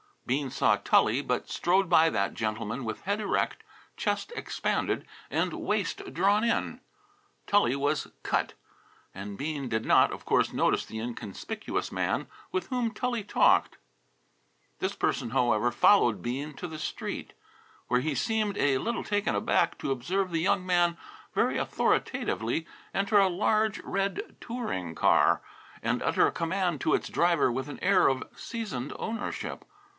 Bean saw Tully, but strode by that gentleman with head erect, chest expanded, and waist drawn in. Tully was cut. And Bean did not, of course, notice the inconspicuous man with whom Tully talked. This person, however, followed Bean to the street, where he seemed a little taken aback to observe the young man very authoritatively enter a large red touring car and utter a command to its driver with an air of seasoned ownership.